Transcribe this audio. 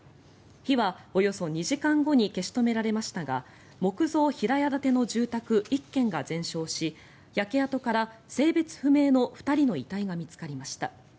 火はおよそ２時間後に消し止められましたが木造平屋建ての住宅１軒が全焼し焼け跡から性別不明の２人の遺体が見つかりました。